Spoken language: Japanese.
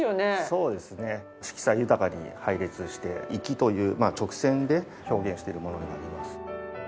そうですね。色彩豊かに配列して粋という直線で表現しているものになります。